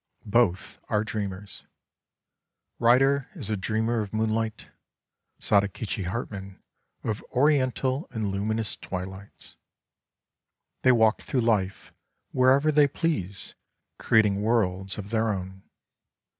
Both are dreamers ; Ryder is a dreamer of moonlight, Sadakichi Hartmann, of Oriental and luminous twilights; They walk through life, wherever they please, creating worlds of their own.